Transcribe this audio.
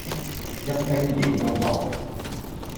一丁點都無